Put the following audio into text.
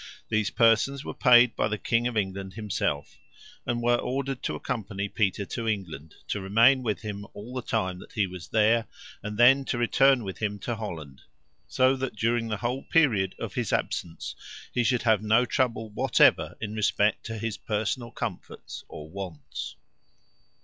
These persons were paid by the King of England himself, and were ordered to accompany Peter to England, to remain with him all the time that he was there, and then to return with him to Holland, so that during the whole period of his absence he should have no trouble whatever in respect to his personal comforts or wants.